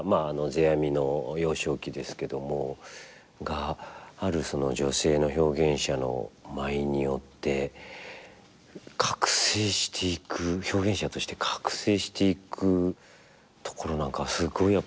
世阿弥の幼少期ですけどもがある女性の表現者の舞によって覚醒していく表現者として覚醒していくところなんかはすごいやっぱ何か感動しましたね。